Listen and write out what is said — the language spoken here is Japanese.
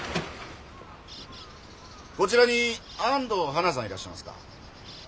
こちらに安東はなさんいらっしゃいますか？